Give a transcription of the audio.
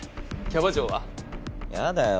キャバ嬢は？やだよ。